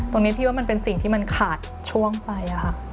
พี่ว่ามันเป็นสิ่งที่มันขาดช่วงไปค่ะ